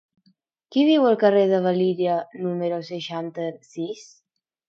Qui viu al carrer de la Valira número seixanta-sis?